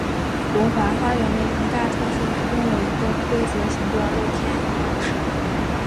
龙华花园的一大特色是拥有一个不规则形状露天游泳池。